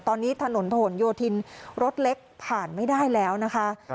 ตอนนี้ถนนผนโยธินรถเล็กผ่านไม่ได้แล้วนะคะ